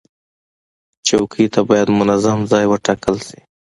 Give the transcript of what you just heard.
چوکۍ ته باید منظم ځای وټاکل شي.